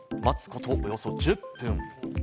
待つことおよそ１０分。